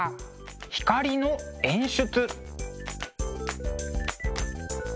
「光の演出」。